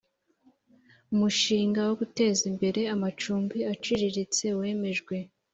umushinga wo guteza imbere amacumbi aciriritse wemejwe